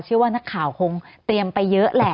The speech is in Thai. เชื่อว่านักข่าวคงเตรียมไปเยอะแหละ